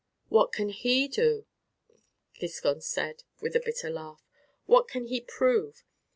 "What can he do?" Giscon said with a bitter laugh. "What can he prove?